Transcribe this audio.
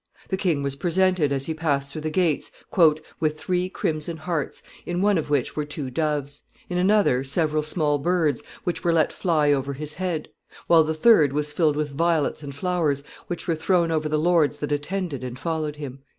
The king was presented, as he passed through the gates, "with three crimson hearts, in one of which were two doves; in another, several small birds, which were let fly over his head; while the third was filled with violets and flowers, which were thrown over the lords that attended and followed him."